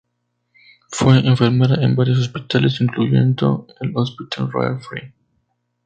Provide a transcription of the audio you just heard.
Fue enfermera en varios hospitales, incluyendo el Hospital Royal Free.